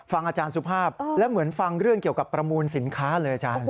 อาจารย์สุภาพแล้วเหมือนฟังเรื่องเกี่ยวกับประมูลสินค้าเลยอาจารย์